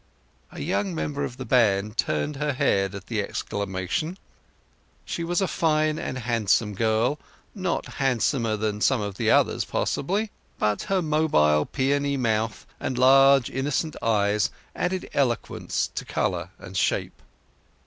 A young member of the band turned her head at the exclamation. She was a fine and handsome girl—not handsomer than some others, possibly—but her mobile peony mouth and large innocent eyes added eloquence to colour and shape.